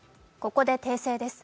ここで訂正です。